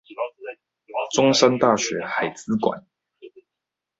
中山大學海資館